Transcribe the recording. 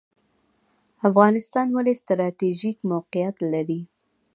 افغانستان ولې ستراتیژیک موقعیت لري؟